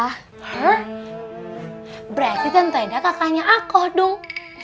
hah berarti tante eda kakaknya aku dong